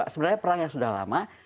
sebenarnya perang yang sudah lama